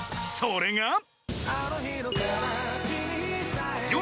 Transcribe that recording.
［それが］